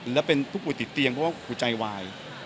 และเป็นภูติติเตียงเพราะว่าใจวาย